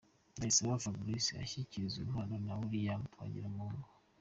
Ndayisaba Fabrice ashyikirizwa impano na William Twagiramungu.